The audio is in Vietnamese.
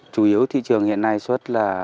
chủ yếu thị trường hiện nay xuất là